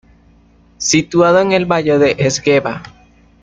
Situado en el valle del Esgueva.